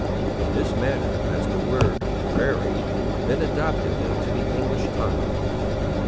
In this manner has the word "Prairie" been adopted into the English tongue.